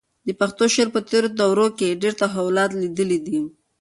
د پښتو شعر په تېرو دورو کې ډېر تحولات لیدلي دي.